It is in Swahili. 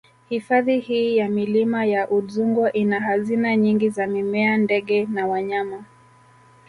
Hifadhi hii ya Milima ya Udzungwa ina hazina nyingi za mimea ndege na wanyama